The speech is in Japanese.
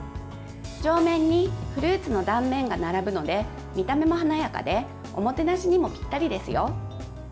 上面にフルーツの断面が並ぶので見た目も華やかでおもてなしにもぴったりですよ。